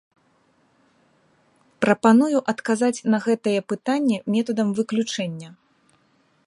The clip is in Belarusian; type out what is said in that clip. Прапаную адказаць на гэтае пытанне метадам выключэння.